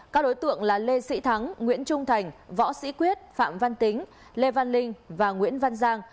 các đối tượng là lê sĩ thắng nguyễn trung thành võ sĩ quyết phạm văn tính lê văn linh và nguyễn văn giang